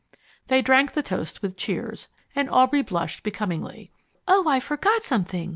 They drank the toast with cheers, and Aubrey blushed becomingly. "Oh, I forgot something!"